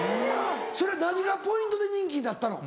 それ何がポイントで人気になったの？